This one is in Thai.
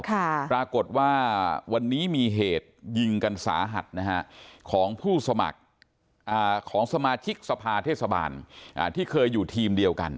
ปรากฏว่าวันนี้มีเหตุยิงกันสาหัสนะฮะของผู้สมัครของสมาชิกสภาเทศบาลที่เคยอยู่ทีมเดียวกัน